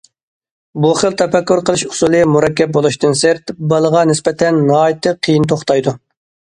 بۇ خىل تەپەككۇر قىلىش ئۇسۇلى مۇرەككەپ بولۇشتىن سىرت، بالىغا نىسبەتەن ناھايىتى قىيىن توختايدۇ.